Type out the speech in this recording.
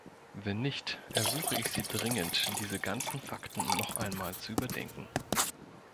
Wenn nicht, ersuche ich Sie dringend, diese ganzen Fakten noch einmal zu überdenken.